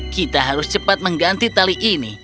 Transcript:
kita harus cepat mengganti tali ini